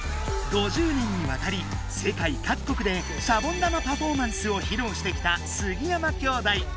５０年にわたり世界各国でシャボン玉パフォーマンスをひろうしてきた杉山兄弟。